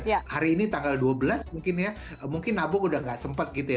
dan hari ini tanggal dua belas mungkin ya mungkin nabok udah gak sempet gitu ya